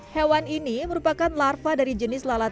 hewan ini merupakan larva dari jenis lalat